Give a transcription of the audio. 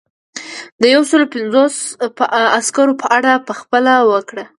د یو سلو پنځوس زرو عسکرو په اړه پخپله فکر وکړه.